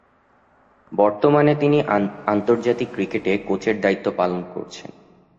বর্তমানে তিনি আন্তর্জাতিক ক্রিকেটে কোচের দায়িত্ব পালন করছেন।